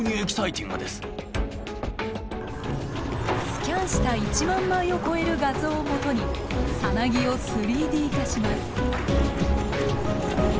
スキャンした１万枚を超える画像を基に蛹を３Ｄ化します。